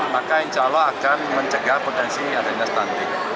maka insya allah akan mencegah potensi adanya stunting